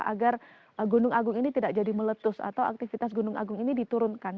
agar gunung agung ini tidak jadi meletus atau aktivitas gunung agung ini diturunkan